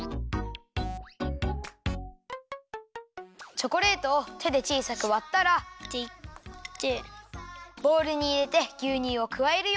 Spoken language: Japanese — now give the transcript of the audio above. チョコレートをてでちいさくわったらボウルにいれてぎゅうにゅうをくわえるよ。